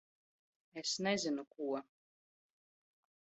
Es nezinu ko...